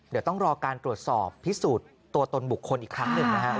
เดี๋ยวต้องรอการตรวจสอบพิสูจน์ตัวตนบุคคลอีกครั้งหนึ่งนะฮะ